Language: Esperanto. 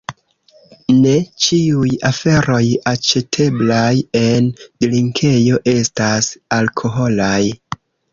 Ne ĉiuj aferoj aĉeteblaj en drinkejo estas alkoholaj: